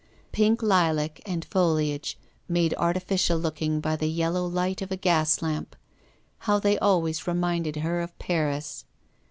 Pink lilac and foliage made artificial looking by the yel low light of a gas lamp; how they always reminded her of Paris!